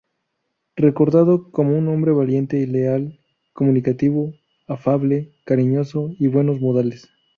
Recordado como un hombre valiente, leal, comunicativo, afable, cariñoso y buenos modales.